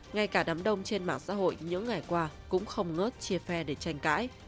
ngay cả đám đông trên mạng xã hội những ngày qua cũng không ngớt chia phe để tranh cãi